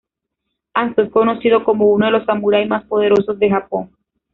Hanzo es conocido como uno de los Samurái más poderosos de Japón.